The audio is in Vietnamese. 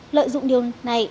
lợi dụng điều này